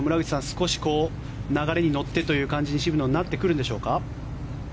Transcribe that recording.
少し流れに乗ってという感じに渋野はなってくるんでしょうか。